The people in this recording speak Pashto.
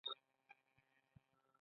• د انګورو شیره ګټه لري.